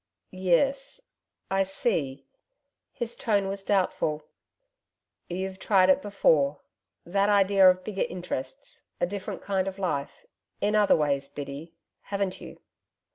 'Yes I see.' His tone was doubtful. 'You've tried it before that idea of bigger interests a different kind of life in other ways, Biddy, haven't you?'